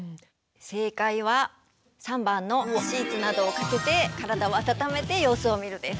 正解は３番のシーツなどをかけて体を温めて様子をみるです。